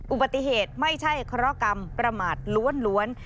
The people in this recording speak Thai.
อุบัติเหตุไม่ใช่เคราะหกรรมประมาทล้วน